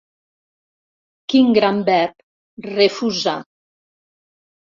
Quin gran verb, "refusar"!